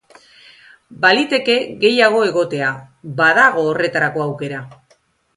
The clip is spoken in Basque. Baliteke gehiago egotea, badago horretarako aukera.